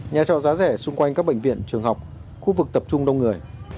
nhà trọ giá rẻ xung quanh các bệnh viện trường học khu vực tập trung đông người